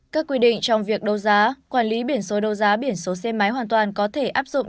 các quy định trong việc đấu giá quản lý biển số đô giá biển số xe máy hoàn toàn có thể áp dụng